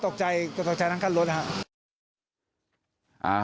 ก็ตกใจตกใจทั้งการรถนะค่ะ